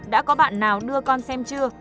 đã có bạn nào đưa con xem chưa